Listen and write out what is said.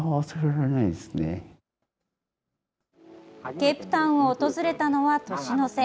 ケープタウンを訪れたのは年の瀬。